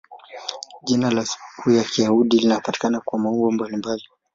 Jina la sikukuu ya Kiyahudi linapatikana kwa maumbo mbalimbali.